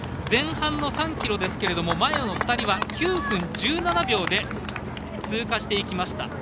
前半の３ｋｍですが前の２人は９分１７秒で通過していきました。